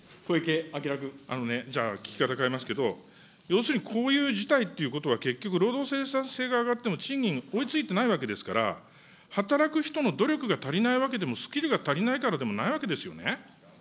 あのね、じゃあ聞き方変えますけど、要するにこういう事態ということは結局、労働生産性が上がっても、賃金に追いついてないわけですから、働く人の努力が足りないわけでも、スキルが足りないからでもないわけですよね。